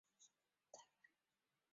为县级文物保护单位。